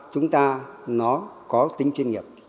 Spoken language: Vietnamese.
chúng ta nó có tính chuyên nghiệp